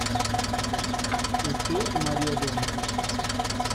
Heitor e Maria Eduarda